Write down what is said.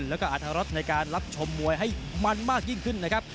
แล้วก็อาธรสในการรับชมมวยให้มันมากยิ่งขึ้นนะครับ